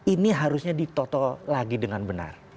ini harusnya ditotal lagi dengan benar